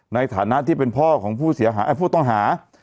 ในฐานะที่เป็นพ่อของผู้ต้องหา